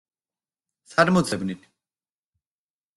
სად მოძებნით?